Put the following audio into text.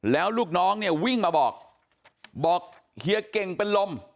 แล้วลูกน้องวิ่งมาบอกเฮียเก่งเป็นลม